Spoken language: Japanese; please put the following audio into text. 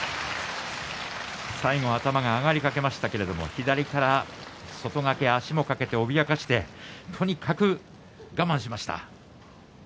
最後は頭が上がりかけましたが左から外掛け足を掛けて脅かしてとにかく我慢しました。